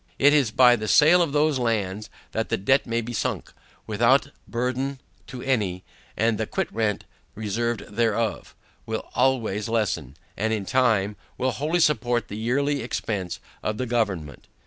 It is by the sale of those lands that the debt may be sunk, without burthen to any, and the quit rent reserved thereon, will always lessen, and in time, will wholly support the yearly expence of government.